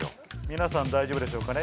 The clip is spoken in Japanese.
皆さん大丈夫でしょうかね？